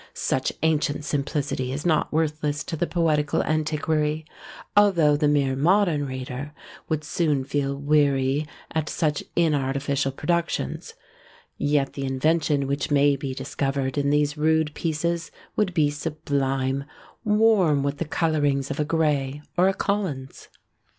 Such ancient simplicity is not worthless to the poetical antiquary; although the mere modern reader would soon feel weary at such inartificial productions, yet the invention which may be discovered in these rude pieces would be sublime, warm with the colourings of a Gray or a Collins.